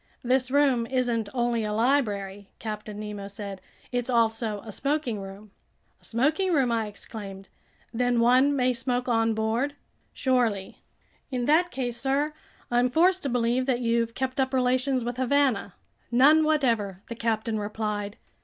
"This room isn't only a library," Captain Nemo said, "it's also a smoking room." "A smoking room?" I exclaimed. "Then one may smoke on board?" "Surely." "In that case, sir, I'm forced to believe that you've kept up relations with Havana." "None whatever," the captain replied.